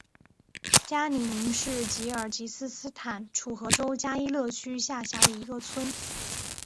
加里宁是吉尔吉斯斯坦楚河州加依勒区下辖的一个村。